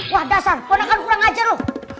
wah dasar ponakan kurang ajar lo